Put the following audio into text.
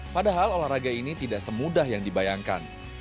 padahal olahraga ini tidak semudah yang dibayangkan